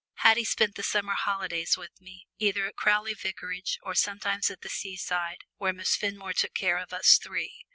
Haddie spent the summer holidays with me, either at Crowley vicarage, or sometimes at the sea side, where Miss Fenmore took care of us three.